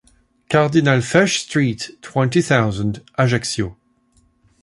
Cardinal Fesch Street, twenty thousand, Ajaccio.